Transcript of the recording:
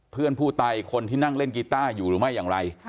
เพื่อนผู้ตายคนที่นั่งเล่นกีต้าอยู่หรือไม่อย่างไร